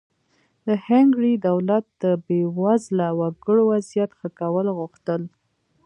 د هنګري دولت د بېوزله وګړو وضعیت ښه کول غوښتل.